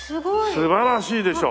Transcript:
素晴らしいでしょ？